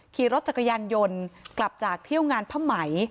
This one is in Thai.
ขี่รถจักรยานยนต์กลับจากเที่ยวงานผ้าไหม